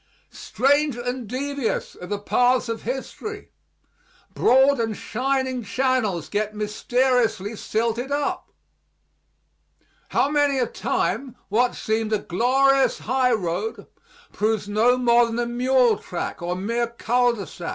Strange and devious are the paths of history. Broad and shining channels get mysteriously silted up. How many a time what seemed a glorious high road proves no more than a mule track or mere cul de sac.